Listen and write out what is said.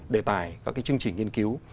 đề tài các chương trình nghiên cứu